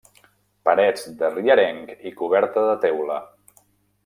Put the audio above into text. Parets de rierenc i coberta de teula.